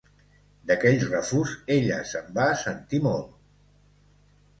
D'aquell refús, ella se'n va sentir molt.